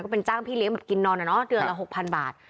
เป็นจ้างพี่เลี้ยงแบบกินนอนอะเนาะเดือนละ๖๐๐๐บาท